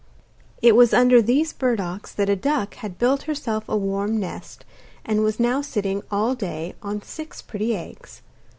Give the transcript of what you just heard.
It was under these burdocks that a duck had built herself a warm nest, and was not sitting all day on six pretty eggs.